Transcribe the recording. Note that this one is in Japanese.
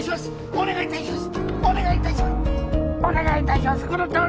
お願いいたします！